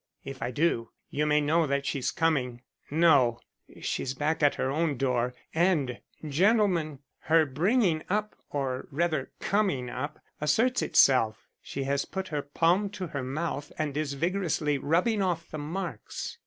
If I do, you may know that she's coming No, she's back at her own door and gentlemen, her bringing up or rather coming up asserts itself. She has put her palm to her mouth and is vigorously rubbing off the marks."